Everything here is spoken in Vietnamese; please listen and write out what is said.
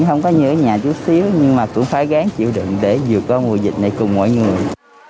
không có như ở nhà chút xíu nhưng mà cũng phải gán chịu đựng để vừa có mùa dịch này cùng mọi người